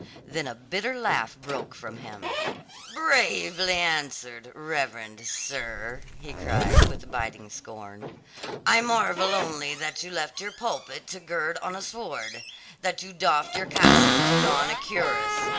Then a bitter laugh broke from him. "Bravely answered, reverend sir," he cried with biting scorn. "I marvel only that you left your pulpit to gird on a sword; that you doffed your cassock to don a cuirass.